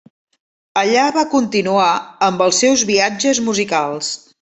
Allà va continuar amb els seus viatges musicals.